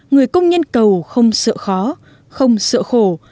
người công nhân cầu không sợ khó không sợ khổ